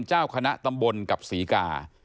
เจ้าคณะตำบลกับศรีกา